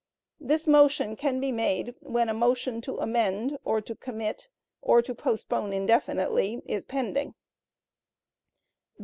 This motion can be made when a motion to amend, or to commit or to postpone indefinitely, is pending.